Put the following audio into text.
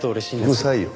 うるさいよ。